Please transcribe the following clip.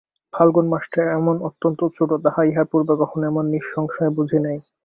ফাল্গুন মাসটা এমন অত্যন্ত ছোটো তাহা ইহার পুর্বে কখনো এমন নিঃসংশয়ে বুঝি নাই।